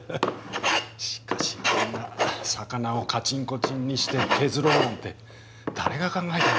しかしこんな魚をカチンコチンにして削ろうなんて誰が考えたんだろう。